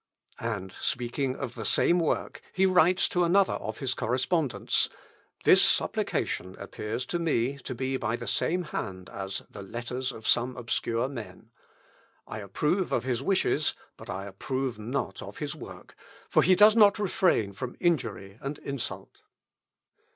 " And speaking of the same work, he writes to another of his correspondents, "This Supplication appears to me to be by the same hand as the Letters of some Obscure Men. I approve of his wishes, but I approve not of his work, for he does not refrain from injury and insult."